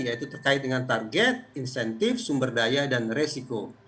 yaitu terkait dengan target insentif sumber daya dan resiko